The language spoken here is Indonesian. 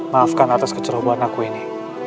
maafkan atas kecerobohan aku ini